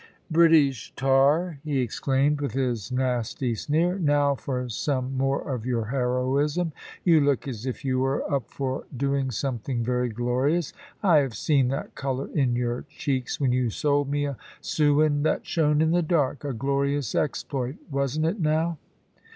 "British tar," he exclaimed, with his nasty sneer; "now for some more of your heroism! You look as if you were up for doing something very glorious. I have seen that colour in your cheeks when you sold me a sewin that shone in the dark. A glorious exploit; wasn't it now?"